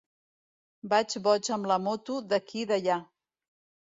Vaig boig amb la moto d'aquí d'allà.